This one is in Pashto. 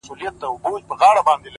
o دا خواركۍ راپسي مه ږغـوه ـ